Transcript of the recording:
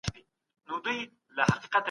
کمپيوټر د ټکنالوژۍ مهمه برخه ده.